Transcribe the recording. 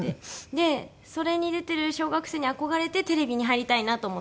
でそれに出てる小学生に憧れてテレビに入りたいなと思って。